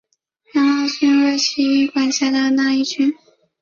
养老郡为岐阜县管辖的一郡。